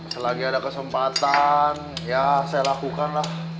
selagi ada kesempatan ya saya lakukan lah